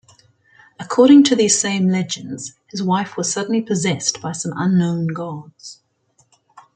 According to these same legends, his wife was suddenly possessed by some unknown gods.